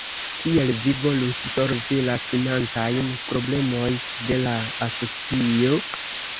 Kiel vi volus solvi la financajn problemoj de la asocio?